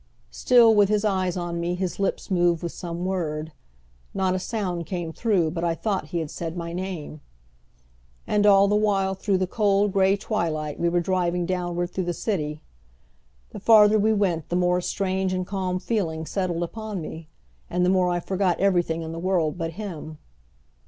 Still with his eyes on me his lips moved with some word. Not a sound came through but I thought he had said my name. And all the while through the cold, gray twilight we were driving downward through the city. The farther we went the more a strange and calm feeling settled upon me, and the more I forgot everything in the world but him.